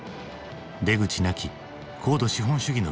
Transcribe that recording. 出口なき高度資本主義のレース。